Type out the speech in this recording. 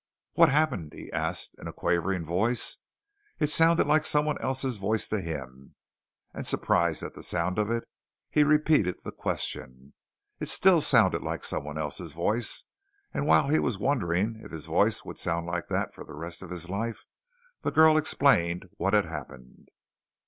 "What happened?" he asked in a quavering voice. It sounded like someone else's voice to him, and surprised at the sound of it he repeated the question. It still sounded like someone else's voice and while he was wondering if his voice would sound like that for the rest of his life, the girl explained what had happened.